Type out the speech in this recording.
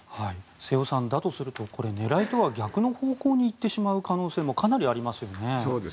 瀬尾さん、だとするとこれ、狙いとは逆の方向に行ってしまう可能性もかなりありますよね？